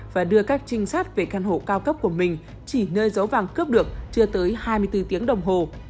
và đưa các trinh sát về căn hộ cao cấp của mình chỉ nơi dấu vàng cướp được chưa tới hai mươi bốn tiếng đồng hồ